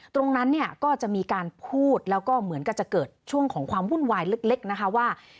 ตรงนั้นเนี่ยก็จะมีการพูดแล้วก็เหมือนกันจะเกิดช่วงของความวุ่นวายเล็กนะคะว่า